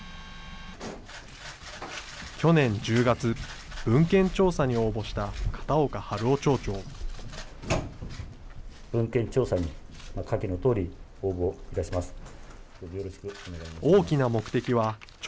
去年１０月、文献調査に応募した片岡春雄町長。